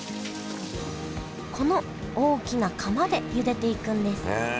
この大きな釜でゆでていくんですへえ。